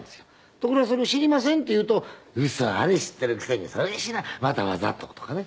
ところがそれを知りませんって言うと「ウソあれ知っているくせにそれ知らんまたわざと」とかね。